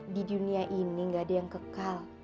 di dunia ini gak ada yang kekal